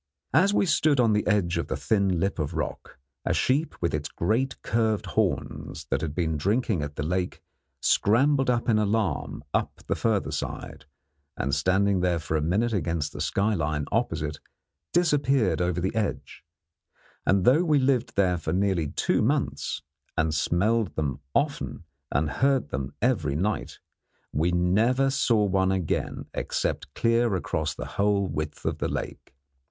As we stood on the edge of the thin lip of rock, a sheep with its great curved horns that had been drinking at the lake scrambled in alarm up the further side, and, standing for a minute against the skyline opposite, disappeared over the edge; and though we lived there for nearly two months, and smelled them often and heard them every night, we never saw one again except clear across the whole width of the lake.